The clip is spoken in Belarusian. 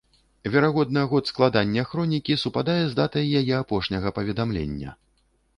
Верагодна год складання хронікі супадае з датай яе апошняга паведамлення.